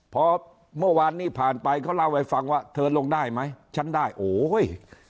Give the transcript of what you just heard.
พอเมื่อวานนี้ผ่านไปเขาเล่าให้ฟังว่าเธอลงได้ไหมฉันได้โอ้เฮ้ย